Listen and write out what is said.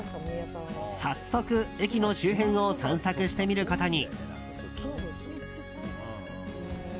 早速、駅の周辺を散策してみることに。